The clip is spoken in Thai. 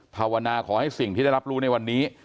ภาวนาขอให้สิ่งที่ได้รับรู้ในวันนี้